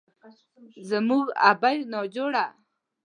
زموږ ابۍ ناجوړه